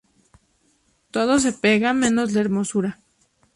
Todo se pega menos la hermosura